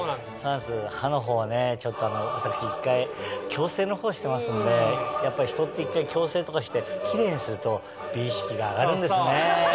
歯の方はねちょっと私一回矯正の方してますんでやっぱ人って一回矯正とかしてキレイにすると美意識が上がるんですね！